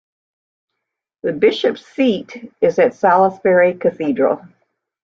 The bishop's seat is at Salisbury Cathedral.